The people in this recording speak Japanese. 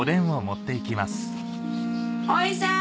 おいさん！